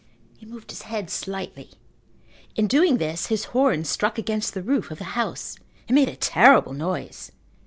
He moved his head slightly. In doing this his horns struck against the roof of the house. It made a terrible noise.